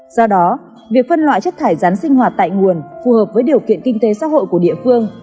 do đó việc phân loại chất thải rắn sinh hoạt tại nguồn phù hợp với điều kiện kinh tế xã hội của địa phương